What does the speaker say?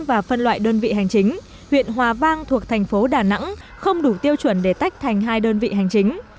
và phân loại đơn vị hành chính huyện hòa vang thuộc thành phố đà nẵng không đủ tiêu chuẩn để tách thành hai đơn vị hành chính